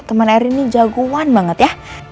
temen erin ini jagoan banget ya